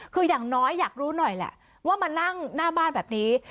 คืออย่างน้อยอยากรู้หน่อยแหละว่ามานั่งหน้าบ้านแบบนี้